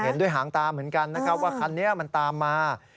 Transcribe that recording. เห็นด้วยหางตาเหมือนกันนะครับว่าคันนี้มันตามมา